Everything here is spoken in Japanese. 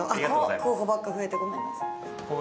候補ばっか増えてごめんなさい。